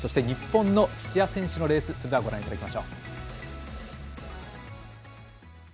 日本の土屋選手のレースをご覧いただきましょう。